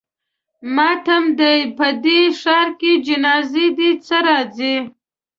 ماتم دی په دې ښار کې جنازې دي چې راځي.